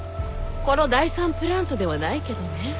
この第３プラントではないけどね。